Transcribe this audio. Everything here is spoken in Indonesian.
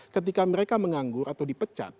ketika mereka menganggur atau dipecat